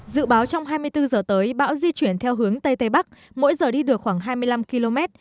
dự báo trong hai mươi bốn h tới bão di chuyển theo hướng tây tây bắc mỗi giờ đi được khoảng hai mươi năm km